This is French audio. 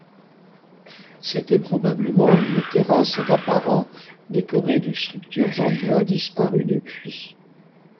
C'était probablement une terrasse d'apparat décorée de structures en bois disparues depuis.